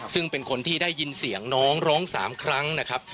ซึ่งเป็นคนที่ได้ยินเสียงน้องร้อง๓ครั้งนะครับ